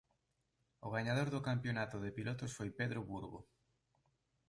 O gañador do campionato de pilotos foi Pedro Burgo.